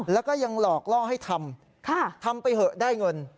แล้วก็ยังหลอกล่อให้ทำทำไปเถอะได้เงิน